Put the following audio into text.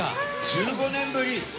１５年ぶり？